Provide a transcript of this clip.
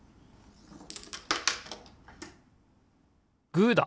グーだ！